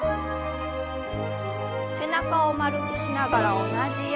背中を丸くしながら同じように。